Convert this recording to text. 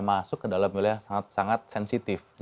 masuk ke dalam wilayah yang sangat sangat sensitif